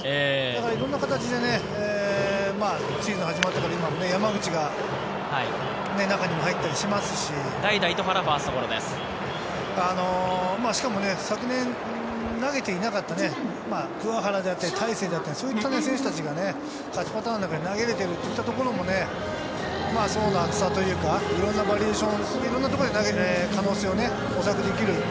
いろんな形でシーズン始まってから、今も山口が中に入ったりしてますし、しかも昨年投げていなかった鍬原だったり大勢だったり、そういう選手が勝ちパターンの中で投げれてるっていうところも層の厚さというか、いろんなバリエーション、いろんな可能性を模索できる。